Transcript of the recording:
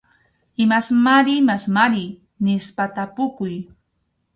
Imasmari imasmari nispa tapukuy.